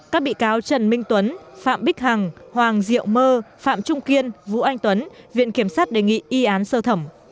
các bị cáo trần minh tuấn phạm bích hằng hoàng diệu mơ phạm trung kiên vũ anh tuấn viện kiểm sát đề nghị y án sơ thẩm